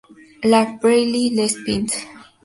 La Breille-les-Pins